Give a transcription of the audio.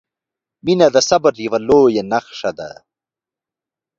• مینه د صبر یوه لویه نښه ده.